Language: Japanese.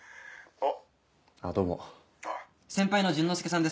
あっ。